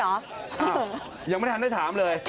อ้าวยังไม่ได้ทำได้ถามเลย